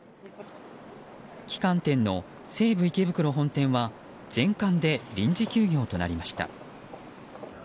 旗艦店の西武池袋本店は全館で臨時休業となりました。